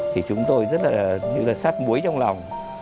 thì chúng tôi rất là như là sát muối trong lòng